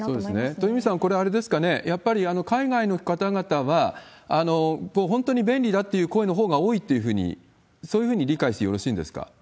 鳥海さん、これ、あれですかね、やっぱり海外の方々は、本当に便利だという声のほうが多いっていうふうに、そういうふうに理解してよろしいんですか？